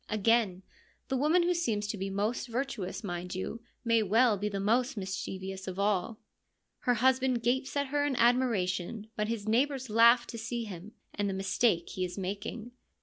Again, the woman who seems to be most virtuous, mind you, may well be the most mischievous of all. Her husband gapes at her in admiration, but his neigh bours laugh to see him, and the mistake he is making.